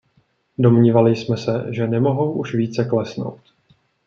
Domnívali jsme se, že nemohou už více klesnout.